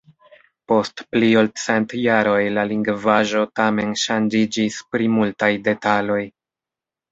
Post pli ol cent jaroj la lingvaĵo tamen ŝanĝiĝis pri multaj detaloj.